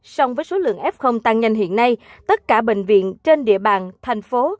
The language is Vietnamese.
song với số lượng f tăng nhanh hiện nay tất cả bệnh viện trên địa bàn thành phố